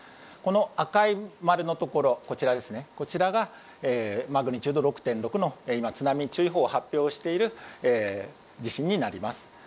赤い丸のところこちらがマグニチュード６．６の今、津波注意報を発表している地震になります。